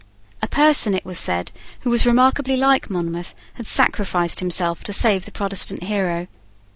A person, it was said, who was remarkably like Monmouth, had sacrificed himself to save the Protestant hero.